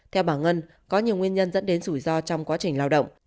theo bà ngân có nhiều nguyên nhân dẫn đến rủi ro trong quá trình lao động